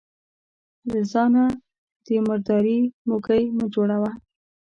له ځانه د مرداري موږى مه جوړوه.